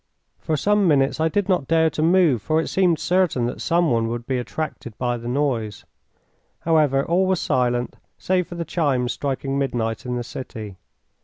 For some minutes I did not dare to move, for it seemed certain that someone would be attracted by the noise. However, all was silent save for the chimes striking midnight in the city.